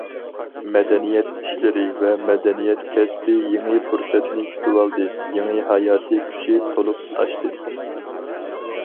مەدەنىيەت ئىشلىرى ۋە مەدەنىيەت كەسپى يېڭى پۇرسەتنى كۈتۈۋالدى، يېڭى ھاياتى كۈچى تولۇپ تاشتى.